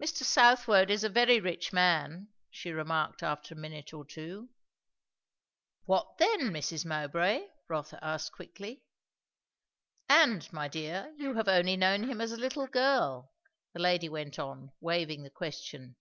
"Mr. Southwode is a very rich man, " she remarked after a minute or two. "What then, Mrs. Mowbray?" Rotha asked quickly. "And, my dear, you have only known him as a little girl," the lady went on, waiving the question.